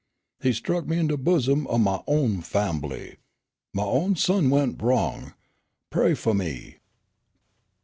He struck me in de bosom o' my own fambly. My own son went wrong. Pray fu' me!"